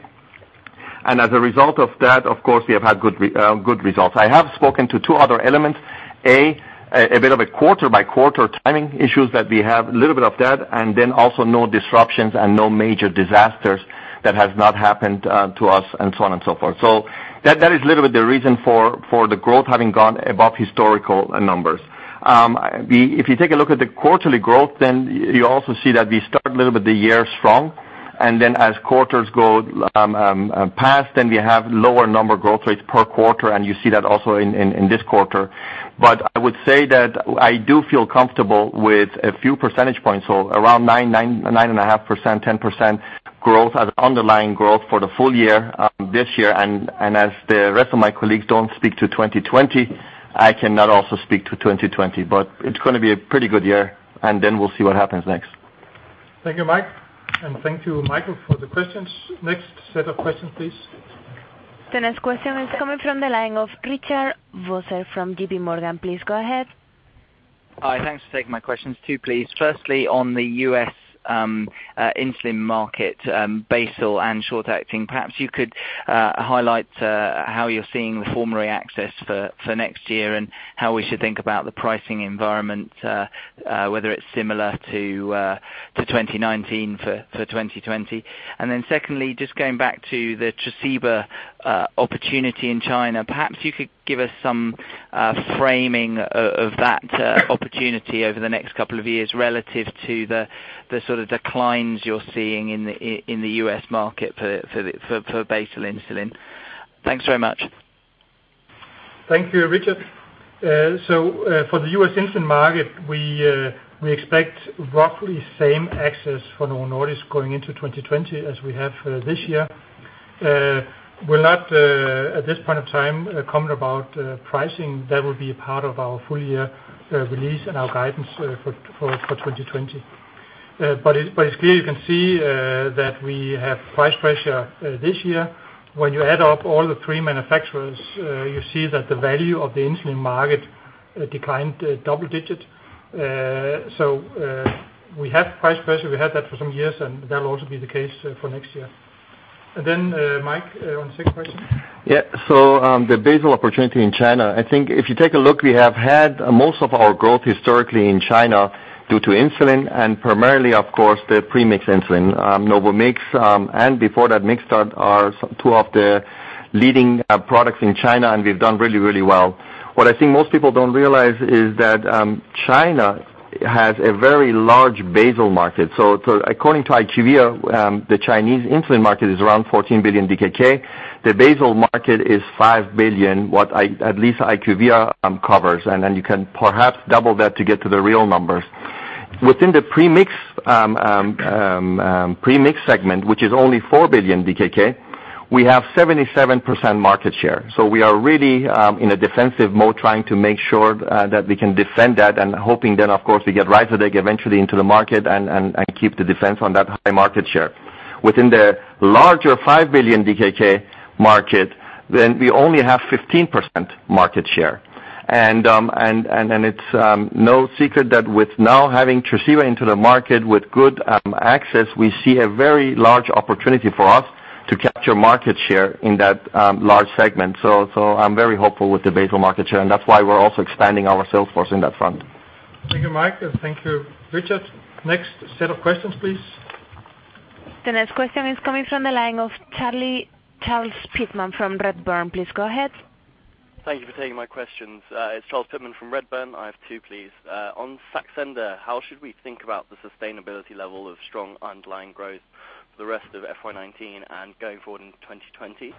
As a result of that, of course, we have had good results. I have spoken to two other elements. A, a bit of a quarter-by-quarter timing issues that we have, a little bit of that, and then also no disruptions and no major disasters that has not happened to us and so on and so forth. That is a little bit the reason for the growth having gone above historical numbers. If you take a look at the quarterly growth, then you also see that we start a little bit the year strong, and then as quarters go past, then we have lower number growth rates per quarter, and you see that also in this quarter. I would say that I do feel comfortable with a few percentage points, so around 9.5%, 10% growth as underlying growth for the full year this year. As the rest of my colleagues don't speak to 2020, I cannot also speak to 2020. It's going to be a pretty good year, and then we'll see what happens next. Thank you, Mike, and thank you, Michael, for the questions. Next set of questions, please. The next question is coming from the line of Richard Vosser from J.P. Morgan. Please go ahead. Hi. Thanks for taking my questions. Two, please. Firstly, on the U.S. insulin market, basal and short-acting, perhaps you could highlight how you're seeing the formulary access for next year and how we should think about the pricing environment, whether it's similar to 2019 for 2020. Secondly, just going back to the Tresiba opportunity in China, perhaps you could give us some framing of that opportunity over the next couple of years relative to the sort of declines you're seeing in the U.S. market for basal insulin. Thanks very much. Thank you, Richard. For the U.S. insulin market, we expect roughly same access for Novo Nordisk going into 2020 as we have for this year. We'll not, at this point of time, comment about pricing. That will be a part of our full year release and our guidance for 2020. It's clear you can see that we have price pressure this year. When you add up all the three manufacturers, you see that the value of the insulin market declined double digit. We have price pressure. We had that for some years, and that will also be the case for next year. Then Mike, on the second question. The basal opportunity in China, I think if you take a look, we have had most of our growth historically in China due to insulin and primarily, of course, the premix insulin. NovoMix, and before that, Mixtard, are two of the leading products in China, and we've done really well. What I think most people don't realize is that China has a very large basal market. According to IQVIA, the Chinese insulin market is around 14 billion DKK. The basal market is 5 billion, what at least IQVIA covers, and then you can perhaps double that to get to the real numbers. Within the premix segment, which is only 4 billion DKK, we have 77% market share. We are really in a defensive mode trying to make sure that we can defend that and hoping that, of course, we get Ryzodeg eventually into the market and keep the defense on that high market share. Within the larger 5 billion DKK market, then we only have 15% market share. It's no secret that with now having Tresiba into the market with good access, we see a very large opportunity for us to capture market share in that large segment. I'm very hopeful with the basal market share, and that's why we're also expanding our sales force on that front. Thank you, Mike, and thank you, Richard. Next set of questions, please. The next question is coming from the line of Charles Pitman-King from Redburn. Please go ahead. Thank you for taking my questions. It's Charles Pitman-King from Redburn. I have two, please. On Saxenda, how should we think about the sustainability level of strong underlying growth for the rest of FY 2019 and going forward into 2020?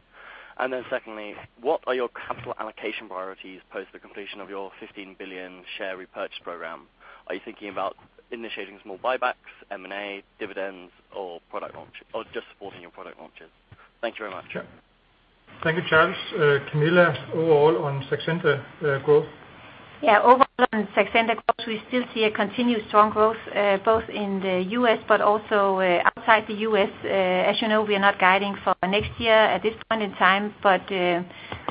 Secondly, what are your capital allocation priorities post the completion of your 15 billion share repurchase program? Are you thinking about initiating small buybacks, M&A, dividends, or just supporting your product launches? Thank you very much. Sure. Thank you, Charles. Camilla, overall on Saxenda growth? Yeah. Overall on Saxenda growth, we still see a continued strong growth both in the U.S. but also outside the U.S. As you know, we are not guiding for next year at this point in time.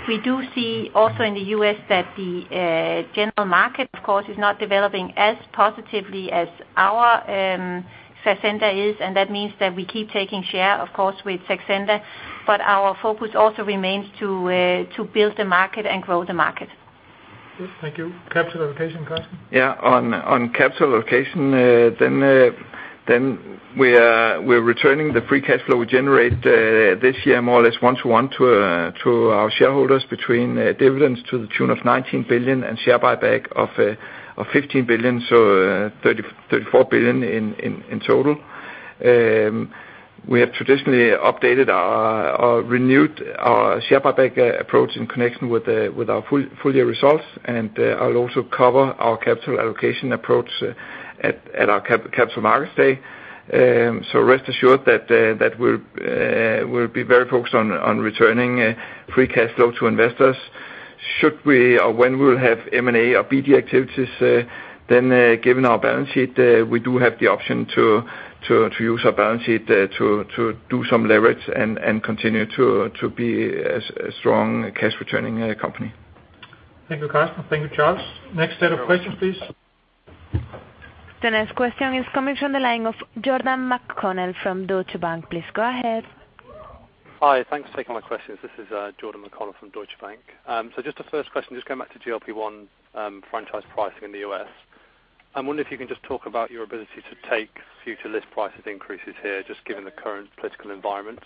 We do see also in the U.S. that the general market, of course, is not developing as positively as our Saxenda is, and that means that we keep taking share, of course, with Saxenda, but our focus also remains to build the market and grow the market. Good. Thank you. Capital allocation, Karsten? Yeah, on capital allocation, we're returning the free cash flow we generate this year more or less one-to-one to our shareholders between dividends to the tune of 19 billion and share buyback of 15 billion, so 34 billion in total. We have traditionally updated or renewed our share buyback approach in connection with our full year results. I'll also cover our capital allocation approach at our Capital Markets Day. Rest assured that we'll be very focused on returning free cash flow to investors. Should we or when we'll have M&A or BD activities, given our balance sheet, we do have the option to use our balance sheet to do some leverage and continue to be a strong cash returning company. Thank you, Karsten. Thank you, Charles. Next set of questions, please. The next question is coming from the line of Jordan McConnell from Deutsche Bank. Please go ahead. Hi. Thanks for taking my questions. This is Richard Vosser from Deutsche Bank. Just a first question, just going back to GLP-1 franchise pricing in the U.S. I wonder if you can just talk about your ability to take future list prices increases here, just given the current political environment.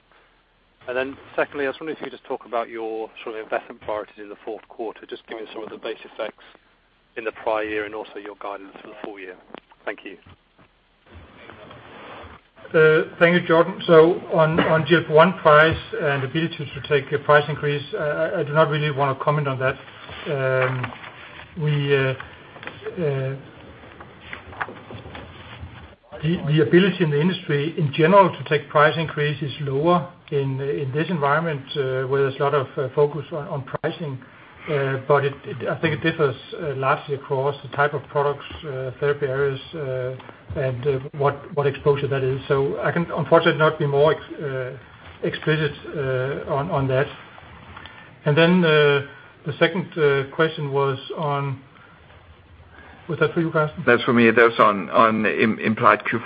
Secondly, I was wondering if you could just talk about your sort of investment priorities in the fourth quarter, just given some of the base effects in the prior year and also your guidance for the full year. Thank you. Thank you, Jordan. On GLP-1 price and ability to take a price increase, I do not really want to comment on that. The ability in the industry in general to take price increase is lower in this environment where there's a lot of focus on pricing. I think it differs largely across the type of products, therapy areas, and what exposure that is. I can unfortunately not be more explicit on that. The second question was that for you, Karsten? That's for me. That was on implied Q4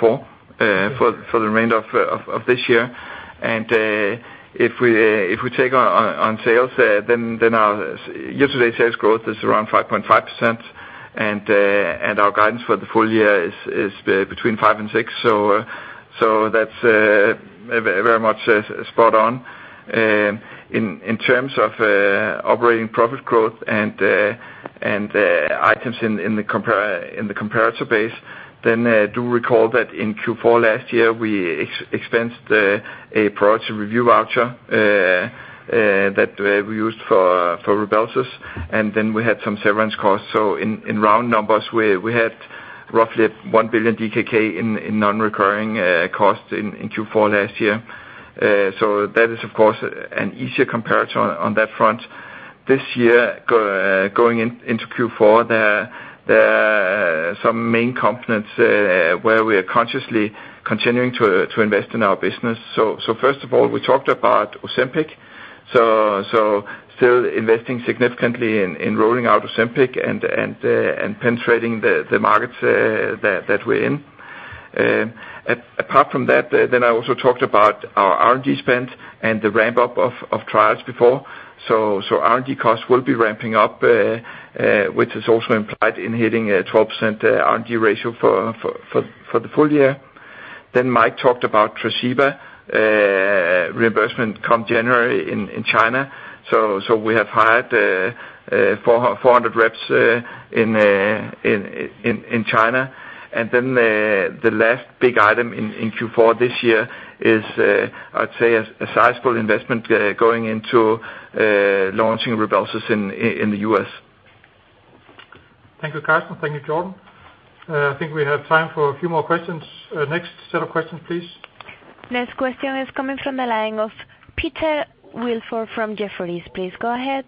for the remainder of this year. If we take on sales, our year-to-date sales growth is around 5.5%, and our guidance for the full year is between 5% and 6%, that's very much spot on. In terms of operating profit growth and items in the comparator base, do recall that in Q4 last year, we expensed a priority review voucher that we used for Rybelsus, we had some severance costs. In round numbers, we had roughly 1 billion DKK in non-recurring costs in Q4 last year. That is, of course, an easier comparator on that front. This year, going into Q4, there are some main components where we are consciously continuing to invest in our business. First of all, we talked about Ozempic, still investing significantly in rolling out Ozempic and penetrating the markets that we're in. Apart from that, I also talked about our R&D spend and the ramp-up of trials before. R&D costs will be ramping up, which is also implied in hitting a 12% R&D ratio for the full year. Mike talked about Tresiba reimbursement come January in China. We have hired 400 reps in China. The last big item in Q4 this year is, I'd say, a sizable investment going into launching Rybelsus in the U.S. Thank you, Karsten. Thank you, Jordan. I think we have time for a few more questions. Next set of questions, please. Next question is coming from the line of Peter Welford from Jefferies. Please go ahead.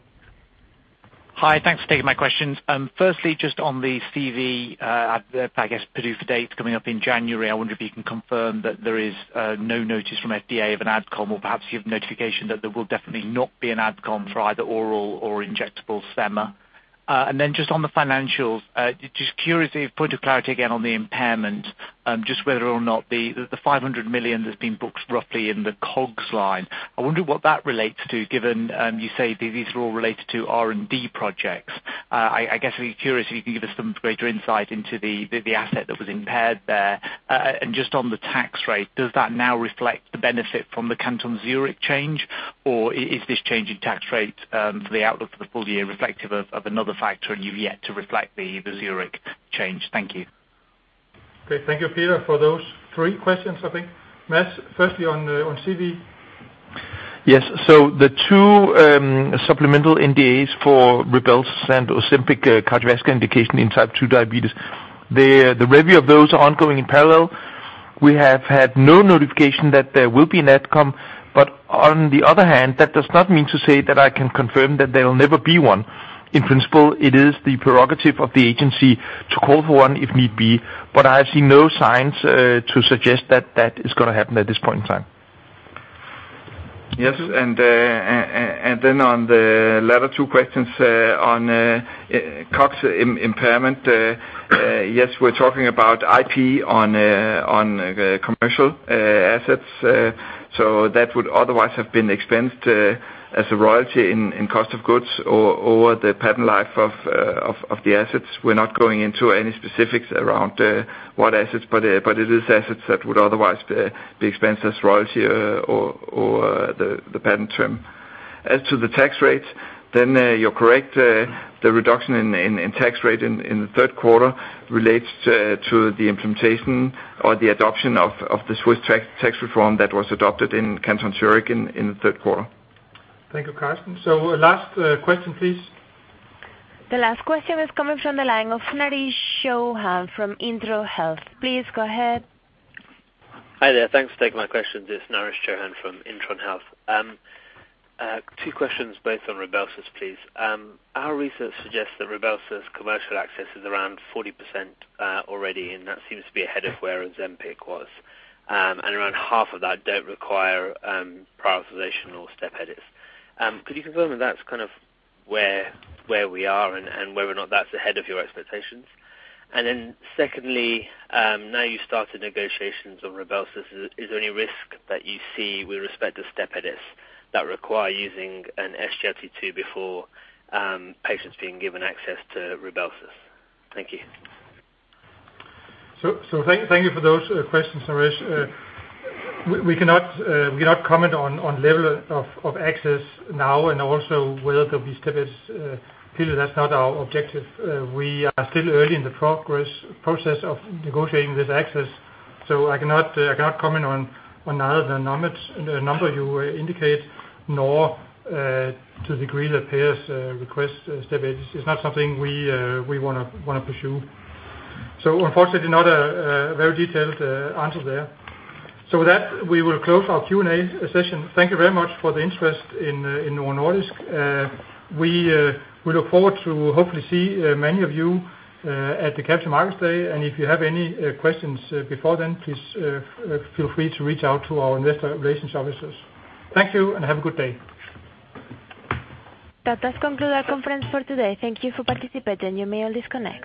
Hi. Thanks for taking my questions. Firstly, just on the CV, I guess, PDUFA date coming up in January. I wonder if you can confirm that there is no notice from FDA of an AdCom, or perhaps you have notification that there will definitely not be an AdCom for either oral or injectable sema. Then just on the financials, just curiosity of point of clarity again on the impairment, just whether or not the 500 million that's been booked roughly in the COGS line, I wonder what that relates to, given you say these are all related to R&D projects. I guess I'd be curious if you can give us some greater insight into the asset that was impaired there. Just on the tax rate, does that now reflect the benefit from the Canton Zurich change, or is this change in tax rate for the outlook for the full year reflective of another factor and you've yet to reflect the Zurich change? Thank you. Okay. Thank you, Peter, for those three questions, I think. Mads, firstly on CV. Yes. The two supplemental NDAs for Rybelsus and Ozempic cardiovascular indication in type 2 diabetes, the review of those are ongoing in parallel. We have had no notification that there will be an outcome. On the other hand, that does not mean to say that I can confirm that there will never be one. In principle, it is the prerogative of the agency to call for one if need be, but I see no signs to suggest that that is going to happen at this point in time. Yes. On the latter two questions on COGS impairment. Yes, we're talking about IP on commercial assets. That would otherwise have been expensed as a royalty in cost of goods or the patent life of the assets. We're not going into any specifics around what assets, but it is assets that would otherwise be expensed as royalty or the patent term. As to the tax rates, you're correct. The reduction in tax rate in the third quarter relates to the implementation or the adoption of the Swiss tax reform that was adopted in Canton Zurich in the third quarter. Thank you, Karsten. Last question, please. The last question is coming from the line of Naresh Chauhan from Intron Health. Please go ahead. Hi there. Thanks for taking my questions. It's Naresh Chauhan from Intron Health. Two questions, both on RYBELSUS, please. Our research suggests that RYBELSUS commercial access is around 40% already, and that seems to be ahead of where Ozempic was. Around half of that don't require prioritization or step-edits. Could you confirm if that's kind of where we are and whether or not that's ahead of your expectations? Then secondly, now you've started negotiations on RYBELSUS, is there any risk that you see with respect to step-edits that require using an SGLT2 before patients being given access to RYBELSUS? Thank you. Thank you for those questions, Naresh. We cannot comment on level of access now and also whether there'll be step-edits. Clearly, that's not our objective. We are still early in the process of negotiating this access. I cannot comment on either the number you indicate, nor to the degree that payers request step-edits. It's not something we want to pursue. Unfortunately, not a very detailed answer there. With that, we will close our Q&A session. Thank you very much for the interest in Novo Nordisk. We look forward to hopefully see many of you at the Capital Markets Day. If you have any questions before then, please feel free to reach out to our investor relations officers. Thank you, and have a good day. That does conclude our conference for today. Thank you for participating. You may all disconnect.